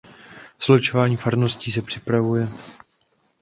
Slučování farností se připravuje.